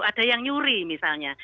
ada yang nyuri misalnya